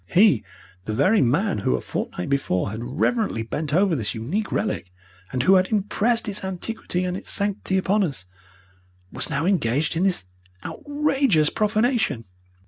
He, the very man who a fortnight before had reverently bent over this unique relic, and who had impressed its antiquity and its sanctity upon us, was now engaged in this outrageous profanation.